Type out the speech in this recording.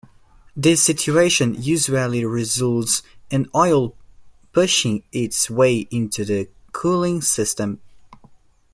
This situation usually results in oil pushing it's way into the cooling system.